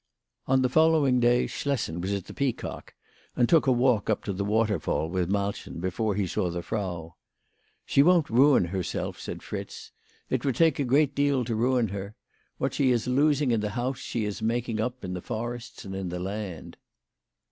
On the following day Schlessen was at the Peacock, and took a walk up to the waterfall with Malchen before he saw the Frau. "She won't ruin herself," said WHY FRATJ FROHMANN RAISED HER PRICES. 63 Fritz. " It would take a great deal to ruin her. What she is losing in the house she is making up in the forests and in the land."